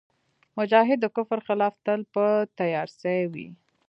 مجاهد د کفر خلاف تل په تیارسئ وي.